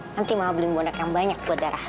nanti mama beli bondak yang banyak buat dara